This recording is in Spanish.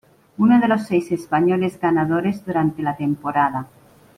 Uno de los seis españoles ganadores durante la temporada.